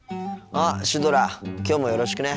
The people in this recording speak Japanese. あっシュドラきょうもよろしくね。